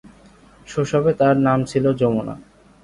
শৈশবে তার নাম ছিল যমুনা।